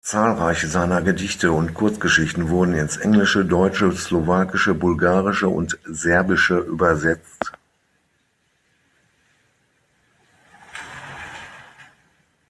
Zahlreiche seiner Gedichte und Kurzgeschichten wurden ins Englische, Deutsche, Slowakische, Bulgarische und Serbische übersetzt.